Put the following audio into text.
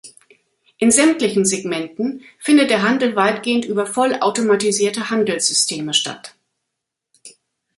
In sämtlichen Segmenten findet der Handel weitgehend über voll automatisierte Handelssysteme statt.